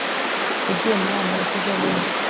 yagiye muri amerika ejobundi